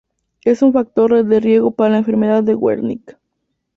Es un factor de riesgo para la enfermedad de Wernicke.